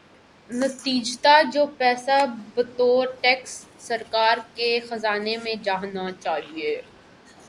نتیجتا جو پیسہ بطور ٹیکس سرکار کے خزانے میں جانا چاہیے۔